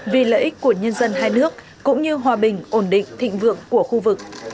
vì lợi ích của nhân dân hai nước cũng như hòa bình ổn định thịnh vượng của khu vực